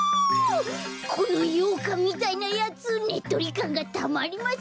このようかんみたいなやつねっとりかんがたまりませんなあ！